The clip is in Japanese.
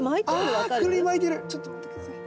ちょっと待って下さい。